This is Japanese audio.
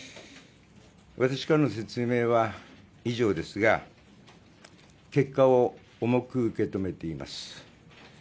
私からの説明は以上ですが結果を重く受け止めています。